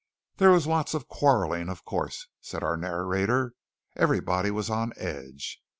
"There was lots of quarrelling, of course," said our narrator. "Everybody was on edge.